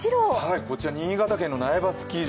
こちら新潟県の苗場スキー場。